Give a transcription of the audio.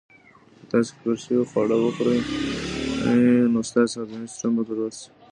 که تاسو ککړ شوي خواړه وخورئ، نو ستاسو هضمي سیسټم به ګډوډ شي.